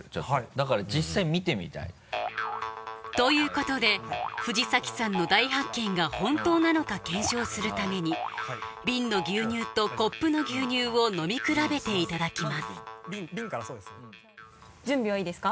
だから実際見てみたい。ということで藤崎さんの大発見が本当なのか検証するためにビンの牛乳とコップの牛乳を飲み比べていただきます準備はいいですか？